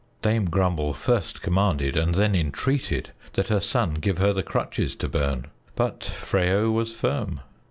Dame Grumble first commanded and then entreated that her son give her the crutches to burn, but Freyo was firm.